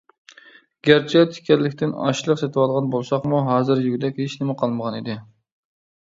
گەرچە تىكەنلىكتىن ئاشلىق سېتىۋالغان بولساقمۇ، ھازىر يېگۈدەك ھېچنېمە قالمىغانىدى.